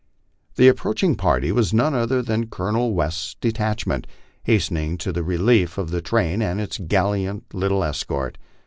The approaching party was none other than Colonel West's detachment, hastening to the relief of the train and its gallant little escort.